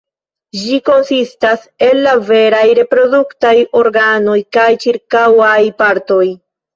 Ĝi konsistas el la veraj reproduktaj organoj kaj ĉirkaŭaj partoj.